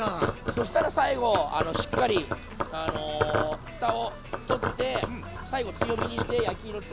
そしたら最後しっかりふたを取って最後強火にして焼き色付けていきます。